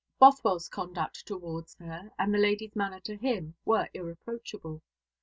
Bothwell's conduct towards her, and the lady's manner to him, were irreproachable.